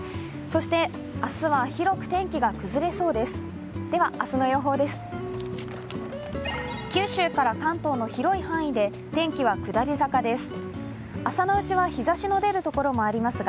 そして明日は広く天気が崩れそうです。